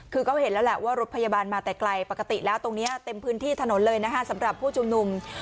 คือก็เห็นแล้วแหละว่ารถพยาบาลมาแต่ไกลปกติแล้วตรงนี้เต็มพื้นที่ถนนเลยนะคะสำหรับผู้ชุมนุม